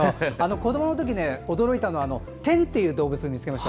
子どものとき、驚いたのはテンという動物を見つけました。